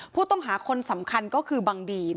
ผู้ต้องหาคนสำคัญก็คือบังดีน